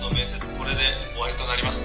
これで終わりとなります。